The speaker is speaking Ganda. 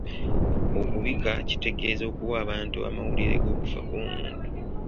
Okubika kitegeeza okuwa abantu amawulire g’okufa kw’omuntu.